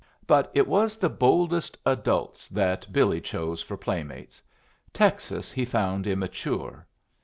But it was the boldest adults that Billy chose for playmates. Texas he found immature.